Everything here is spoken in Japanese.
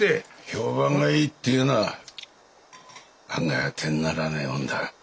評判がいいってぇのは案外当てにならねえもんだ。